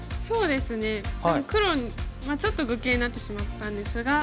でも黒ちょっと愚形になってしまったんですが。